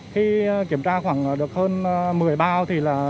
khi kiểm tra được khoảng hơn một mươi bao